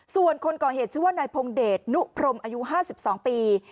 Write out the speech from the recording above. ส่วนคนก่อเหตุชื่อว่านายพงเดชนุพรมอายุ๕๒ปี